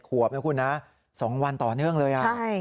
ขอบคุณนะสองวันต่อเนื่องเลย